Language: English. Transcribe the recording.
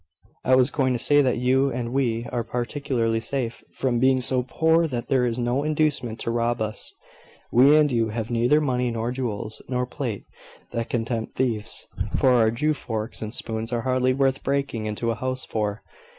"I was going to say that you and we are particularly safe, from being so poor that there is no inducement to rob us. We and you have neither money nor jewels, nor plate, that can tempt thieves! for our few forks and spoons are hardly worth breaking into a house for."